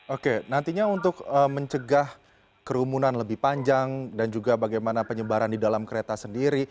oke nantinya untuk mencegah kerumunan lebih panjang dan juga bagaimana penyebaran di dalam kereta sendiri